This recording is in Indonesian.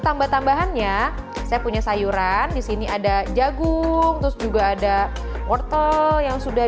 tambah tambahannya saya punya sayuran di sini ada jagung terus juga ada wortel yang sudah